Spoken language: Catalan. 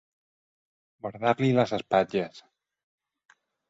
Guardar-li les espatlles.